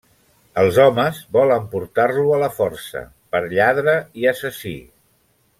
Els homes volen portar-lo a la forca, per lladre i assassí.